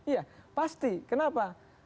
iya pasti kenapa